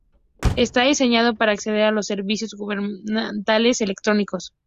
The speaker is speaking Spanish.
Está diseñado para acceder a los servicios gubernamentales electrónicos.